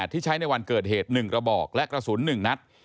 ที่ใช้ในวันเกิดเหตุ๑กระบอกและกระสุน๑นัด